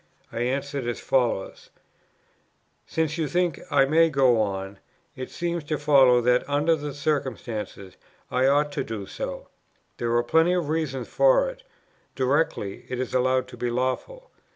I answered as follows: "Since you think I may go on, it seems to follow that, under the circumstances, I ought to do so. There are plenty of reasons for it, directly it is allowed to be lawful.